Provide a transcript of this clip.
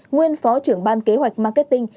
nguyên phó trưởng ban kế hoạch marketing